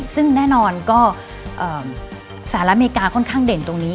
ซึ่งแน่นอนก็สหรัฐอเมริกาค่อนข้างเด่นตรงนี้